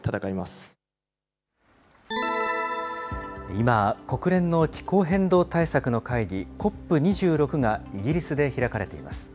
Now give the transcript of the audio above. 今、国連の気候変動対策の会議、ＣＯＰ２６がイギリスで開かれています。